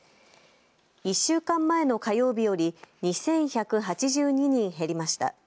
１週間前の火曜日より２１８２人減りました。